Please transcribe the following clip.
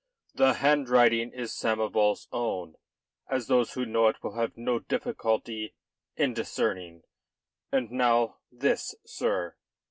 "The handwriting is Samoval's own, as those who know it will have no difficulty in discerning. And now this, sir."